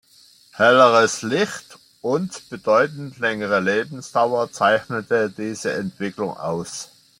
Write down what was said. Helleres Licht und bedeutend längere Lebensdauer zeichnete diese Entwicklung aus.